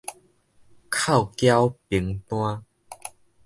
扣繳憑單